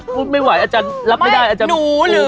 พ่อเอ้และลูก